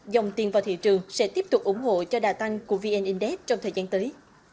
dòng tiền vào thị trường sẽ tiếp tục ủng hộ cho đa tăng của vn index trong thời gian tới